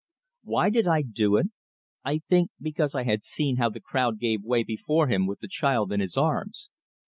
Why did I do it? I think because I had seen how the crowd gave way before him with the child in his arms.